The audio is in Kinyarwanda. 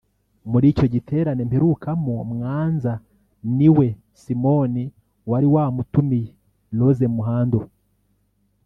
muri icyo giterane mperukamo Mwanza ni we (Simon) wari wamutumiye (Rose Muhando)